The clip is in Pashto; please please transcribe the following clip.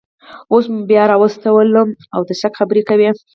اوس مو بیا راوستلم او د شک خبرې کوئ